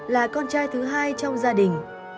là con trai thứ hai trong gia đình